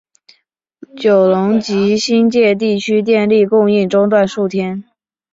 九龙及新界地区电力供应中断数天。